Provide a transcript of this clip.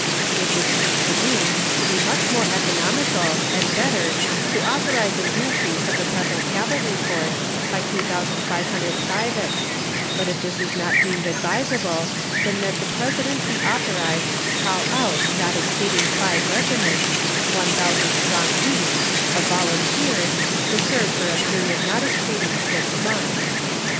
It would seem to me to be much more economical and better to authorize an increase of the present cavalry force by 2,500 privates, but if this is not deemed advisable, then that the President be authorized to call out not exceeding five regiments, 1,000 strong each, of volunteers, to serve for a period not exceeding six months.